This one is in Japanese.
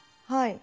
はい！